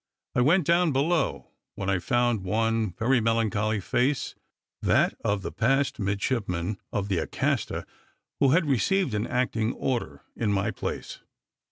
I went down below, when I found one very melancholy face, that of the passed midshipman of the Acasta, who had received an acting order in my place.